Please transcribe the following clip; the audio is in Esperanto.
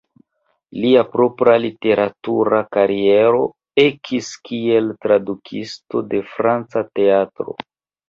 Lia propra literatura kariero ekis kiel tradukisto de franca teatro.